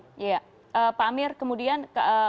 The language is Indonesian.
pak amir kemudian